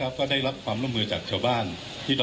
คุณผู้ชมไปฟังผู้ว่ารัฐกาลจังหวัดเชียงรายแถลงตอนนี้ค่ะ